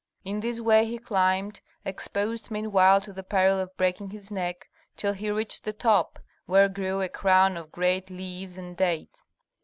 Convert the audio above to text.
In this way he climbed, exposed meanwhile to the peril of breaking his neck, till he reached the top, where grew a crown of great leaves and dates.